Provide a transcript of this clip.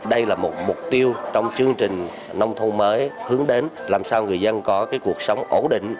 đây là một mục tiêu trong chương trình nông thôn mới hướng đến làm sao người dân có cuộc sống ổn định